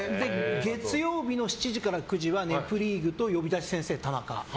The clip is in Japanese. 月曜日の７時から９時は「ネプリーグ」と「呼び出し先生タナカ」。